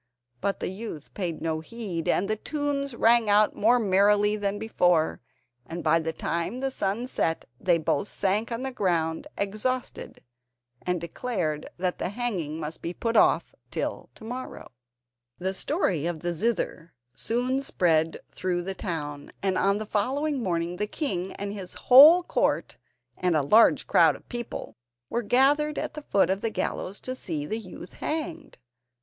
But the youth paid no heed, and the tunes rang out more merrily than before, and by the time the sun set they both sank on the ground exhausted, and declared that the hanging must be put off till to morrow. The story of the zither soon spread through the town, and on the following morning the king and his whole court and a large crowd of people were gathered at the foot of the gallows to see the youth hanged.